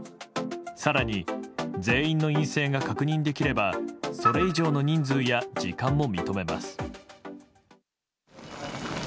更に、全員の陰性が確認できればそれ以上の人数や時間も認めます。